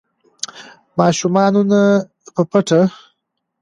ماشومانو نه په پټه